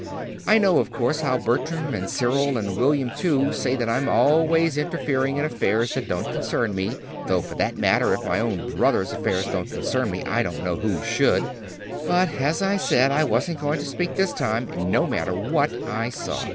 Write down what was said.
I know, of course, how Bertram and Cyril, and William, too, say that I'm always interfering in affairs that don't concern me though, for that matter, if my own brother's affairs don't concern me, I don't know whose should! "But, as I said, I wasn't going to speak this time, no matter what I saw.